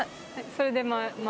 それで前。